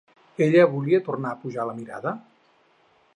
Ella volia tornar a pujar la mirada?